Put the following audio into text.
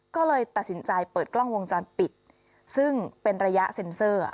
ก็เลยตัดสินใจเปิดกล้องวงจรปิดซึ่งเป็นระยะเซ็นเซอร์